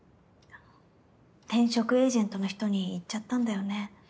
転職エージェントの人に言っちゃったんだよね